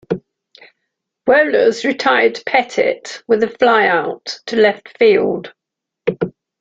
Wohlers retired Pettitte with a flyout to left field.